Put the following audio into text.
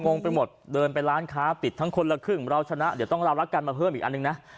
งงไปหมดเดินไปร้านค้าปิดทั้งคนละครึ่งเราชนะเดี๋ยวต้องเรารักกันมาเพิ่มอีกอันนึงนะ